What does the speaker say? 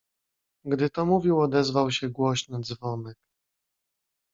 "Gdy to mówił odezwał się głośny dzwonek."